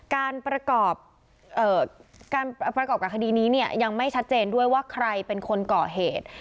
การประกอบการประกอบกับคดีนี้เนี่ยยังไม่ชัดเจนด้วยว่าใครเป็นคนก่อเหตุ